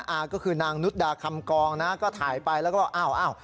อาก็คือนางนุษย์ดาคำกองก็ถ่ายไปแล้วก็อ้าว